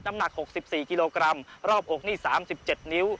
น้ำหนักหกสิบสี่กิโลกรัมรอบอกนี่สามสิบเจ็ดนิ้ว